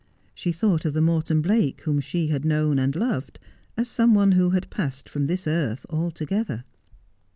She thought of the Morton Blake whom she had known and loved as some one who had passed from this earth altogether.